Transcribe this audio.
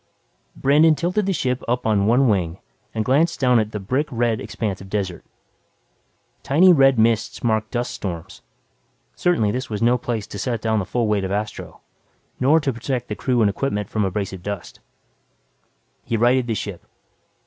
Brandon tilted the ship up on one wing and glanced down at the brick red expanse of desert. Tiny red mists marked dust storms. Certainly this was no place to set down the full weight of Astro nor to protect the crew and equipment from abrasive dust. He righted the ship.